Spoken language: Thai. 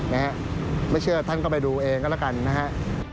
นะฮะไม่เชื่อท่านก็ไปดูเองก็แล้วกันนะฮะ